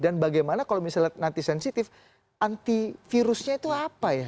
dan bagaimana kalau misalnya nanti sensitif antivirusnya itu apa ya